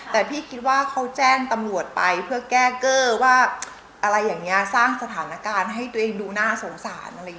แต่พี่คิดว่าเขาแจ้งตำรวจไปเพื่อแก้เกอร์ว่าอะไรอย่างนี้สร้างสถานการณ์ให้ตัวเองดูน่าสงสารอะไรอย่างนี้